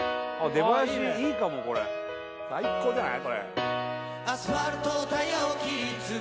出囃子いいかもこれ最高じゃない？